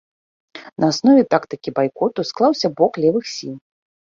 На аснове тактыкі байкоту склаўся блок левых сіл.